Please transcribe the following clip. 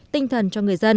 tinh thần cho người dân